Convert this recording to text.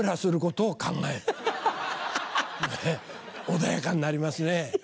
穏やかになりますね。